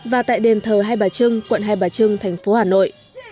và tại đền thờ hai bà trưng quận hai bà trưng thành phố hà nội